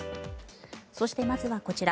そして、まずはこちら。